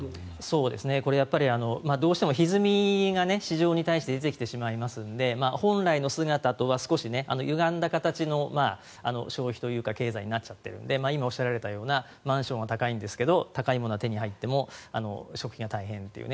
これはどうしてもひずみが市場に対して出てきてしまいますので本来の姿とは少しゆがんだ形の消費というか経済になっちゃってるので今おっしゃられたようなマンションは高いんですけど高いものは手に入っても食費は大変という。